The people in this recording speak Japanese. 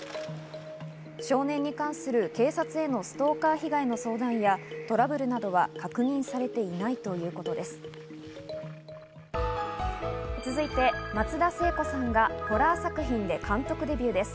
少年に関する警察へのストーカー被害の相談やトラブルなどは確認されていないということです。